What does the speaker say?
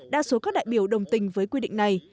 đa số các đại biểu đồng tình với quy định này